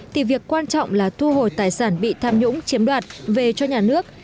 thì việc quan trọng là thu hồi tài sản bị tham nhũng chiếm đoạt về cho nhà nước